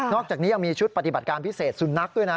อกจากนี้ยังมีชุดปฏิบัติการพิเศษสุนัขด้วยนะ